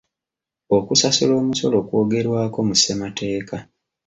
Okusasula omusolo kwogerwako mu ssemateeka.